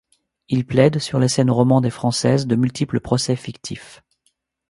Il plaide, sur les scènes romandes et françaises, de multiples procès fictifs.